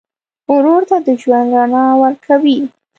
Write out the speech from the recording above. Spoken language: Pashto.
ورور ته د ژوند رڼا ورکوې.